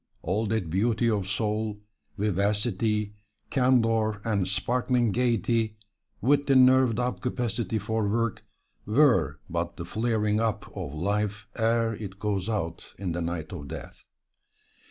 All that beauty of soul, vivacity, candor and sparkling gaiety, with the nerved up capacity for work, were but the flaring up of life ere it goes out in the night of death.